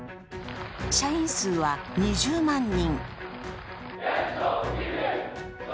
社員数は２０万人。